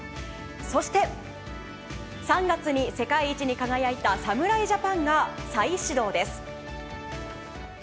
そして３月に世界一に輝いた侍ジャパンが再始動です。